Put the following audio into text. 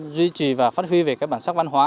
duy trì và phát huy về các bản sắc văn hóa